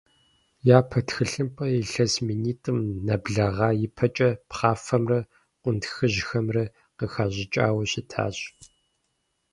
Япэ тхылъымпӏэр илъэс минитӏым нэблагъэ ипэкӏэ пхъафэмрэ къунтхыжьхэмрэ къыхащӏыкӏауэ щытащ.